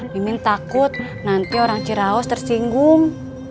bimin takut nanti orang ciraos tersinggung